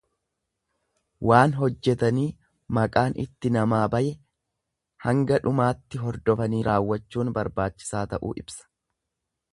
Waan hojjetanii maqaan itti namaa baye hanga dhumaatti hordofanii raawwachuun barbaachisaa ta'uu ibsa.